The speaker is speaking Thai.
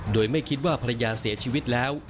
โดยไม่คิดว่าภรรยาเสียชีวิตแล้ว